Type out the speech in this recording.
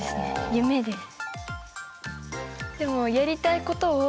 夢です。